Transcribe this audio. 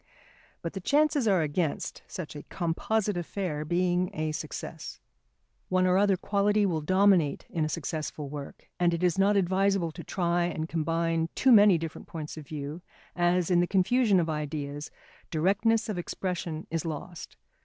But the chances are against such a composite affair being a success. One or other quality will dominate in a successful work; and it is not advisable to try and combine too many different points of view as, in the confusion of ideas, directness of expression is lost.